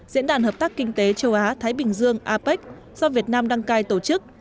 diễn đàn hợp tác kinh tế châu á thái bình dương apec do việt nam đăng cai tổ chức